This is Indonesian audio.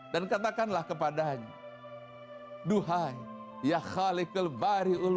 dan katakanlah kepadanya